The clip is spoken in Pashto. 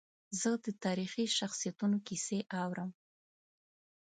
زه د تاریخي شخصیتونو کیسې اورم.